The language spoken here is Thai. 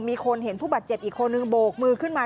มีคนเห็นผู้บาดเจ็บอีกคนนึงโบกมือขึ้นมา